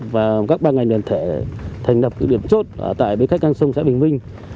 và các ban ngành đền thể thành đập cử điểm chốt tại bến khách ngang sông xã bình minh